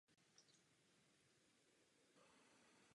Jde o uplatnění funkcionalismu v obytné architektuře.